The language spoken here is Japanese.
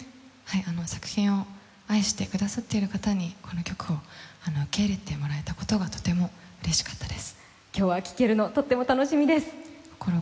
作品を愛してくださっている方にこの曲を受け入れてもらえたことがとてもうれしかったです。